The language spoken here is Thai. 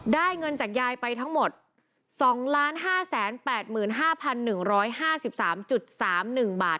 ได้เงินจากยายไปทั้งหมด๒๕๘๕๑๕๓๓๑บาท